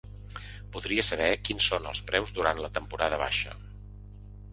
Voldria saber quins son els preus durant la temporada baixa.